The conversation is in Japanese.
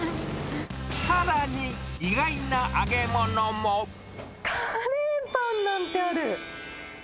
さらに、カレーパンなんてある。